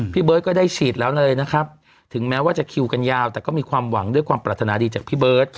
เบิร์ตก็ได้ฉีดแล้วเลยนะครับถึงแม้ว่าจะคิวกันยาวแต่ก็มีความหวังด้วยความปรารถนาดีจากพี่เบิร์ต